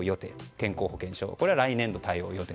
健康保険証これは来年度対応予定。